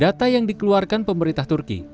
data yang dikeluarkan pemerintah turki